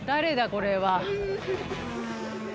これは。